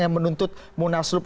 yang menuntut munaslup